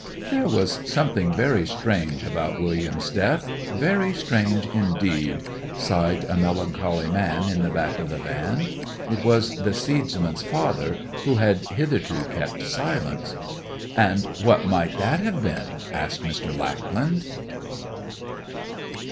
'There was something very strange about William's death—very strange indeed!' sighed a melancholy man in the back of the van. It was the seedsman's father, who had hitherto kept silence. 'And what might that have been?' asked Mr. Lackland.